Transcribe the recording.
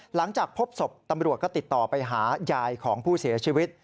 หลังจากพบศพตำรวจก็ติดต่อไปหายายของผู้เสียชีวิต